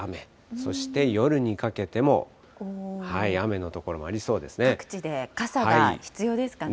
そして夜にかけても、雨の所もあ各地で傘が必要ですかね。